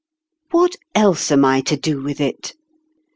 " What else am I to do with it